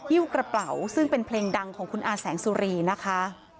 ิ้วกระเป๋าซึ่งเป็นเพลงดังของคุณอาแสงสุรีนะคะ